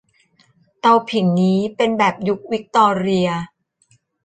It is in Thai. เตาผิงนี้เป็นแบบยุควิคตอเรีย